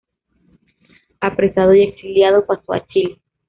Apresado y exiliado, pasó a Chile.